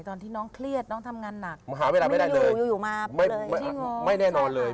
ตอนที่น้องเครียดน้องทำงานหนักหาเวลาไม่ได้เลยอยู่อยู่มาไม่แน่นอนเลย